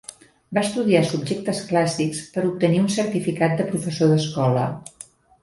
Va estudiar subjectes clàssics per obtenir un certificat de professor d'escola.